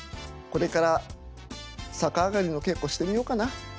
これから逆上がりの稽古してみようかな。